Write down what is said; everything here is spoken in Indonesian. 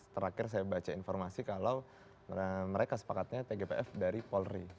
terakhir saya baca informasi kalau mereka sepakatnya tgpf dari polri